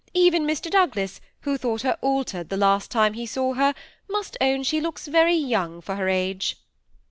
even Mr. Douglas, who thought her altered the last time he saw her, must own she looks very young for her age."